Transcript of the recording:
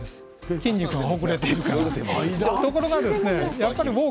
筋肉がほぐれているからです。